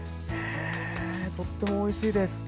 とってもおいしいです。